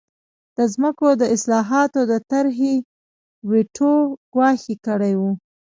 د ځمکو د اصلاحاتو د طرحې ویټو ګواښ یې کړی و.